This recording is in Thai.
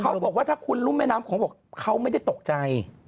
เขาบอกว่าถ้าคุณรุ่มแม่น้ำโขงบอกเขาไม่ได้ตกใจ